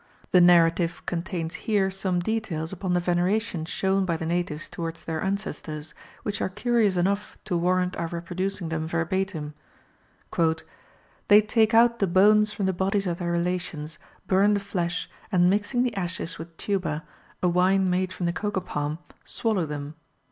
The narrative contains here some details upon the veneration shown by the natives towards their ancestors, which are curious enough to warrant our reproducing them verbatim: "They take out the bones from the bodies of their relations, burn the flesh, and mixing the ashes with tuba, a wine made from the cocoa palm, swallow them.